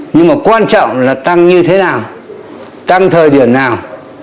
nhưng mà quan trọng là tăng như thế nào tăng thời điểm nào